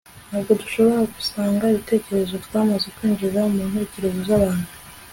ntabwo dushobora gukusanya ibitekerezo twamaze kwinjiza mu ntekerezo z'abantu